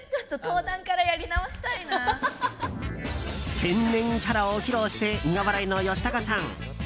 天然キャラを披露して苦笑いの吉高さん。